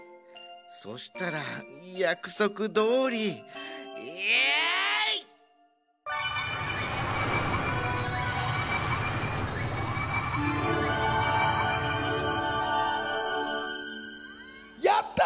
そしたらやくそくどおりえいっ！やった！